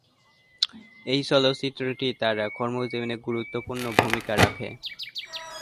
এই চলচ্চিত্রটি তার কর্মজীবনে গুরুত্বপূর্ণ ভূমিকা রাখে।